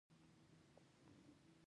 زړه د بدن د دوران سیسټم اساسي برخه ده.